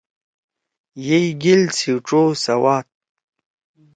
یئی گیل سی ڇو سواد۔